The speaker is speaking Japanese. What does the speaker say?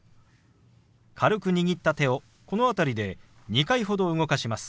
軽く握った手をこの辺りで２回ほど動かします。